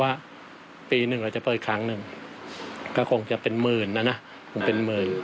ว่าปีหนึ่งเราจะเปิดครั้งหนึ่งก็คงจะเป็นหมื่นนะนะคงเป็นหมื่น